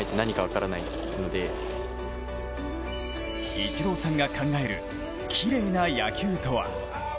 イチローさんが考えるきれいな野球とは？